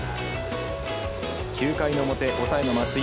９回の表、抑えの松井。